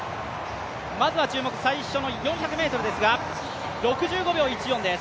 まずは注目、最初の４００ｍですが６５秒１４です。